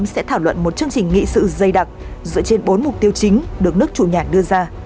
sẽ thảo luận một chương trình nghị sự dây đặc dựa trên bốn mục tiêu chính được nước chủ nhà đưa ra